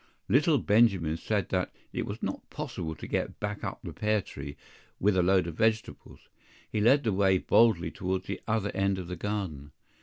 LITTLE Benjamin said that it was not possible to get back up the pear tree, with a load of vegetables. He led the way boldly towards the other end of the garden.